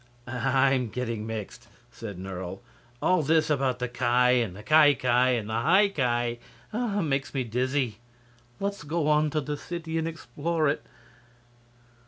"I'm getting mixed," said Nerle. "All this about the Ki and the Ki Ki and the High Ki makes me dizzy. Let's go on to the city and explore it."